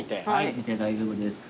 見て大丈夫です。